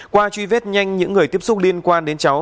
qua truy vết nhanh những người tiếp xúc liên quan đến cháu